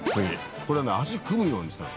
これはね足組むようにしたの。